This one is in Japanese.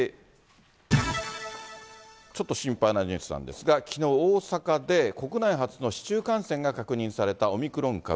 ちょっと心配なニュースなんですが、きのう、大阪で国内初の市中感染が確認されたオミクロン株。